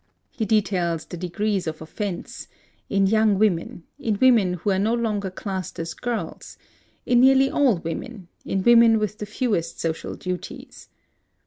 He details the degrees of offence in young women, in women who are no longer classed as girls, in nearly all women, in women with the fewest social duties.